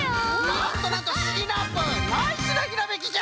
なんとなんとシナプーナイスなひらめきじゃ。